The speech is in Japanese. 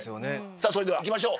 さぁそれでは行きましょう。